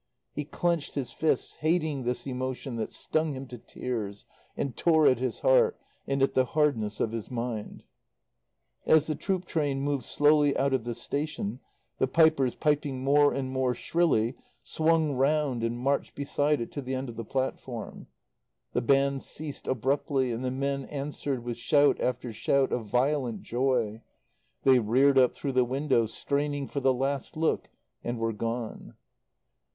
He clenched his fists, hating this emotion that stung him to tears and tore at his heart and at the hardness of his mind. As the troop train moved slowly out of the station the pipers, piping more and more shrilly, swung round and marched beside it to the end of the platform. The band ceased abruptly, and the men answered with shout after shout of violent joy; they reared up through the windows, straining for the last look and were gone.